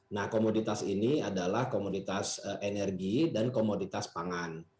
nah komoditas ini adalah komoditas energi dan komoditas pangan